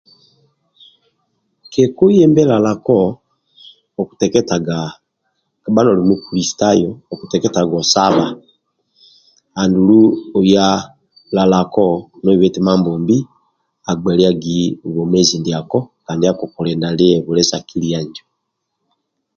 Kekuyembe lalako okuteketakaga kabha noli mu kurisitayo okuteketaga osabha andulu oya lalako ohibhe eti mambombi abgelilyagiya bwomezi ndyako kandi akukulinda ndiye bwile sya kiliya injo